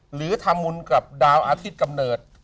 หรือทำบุญกับดาวอาทิตย์กำเนิด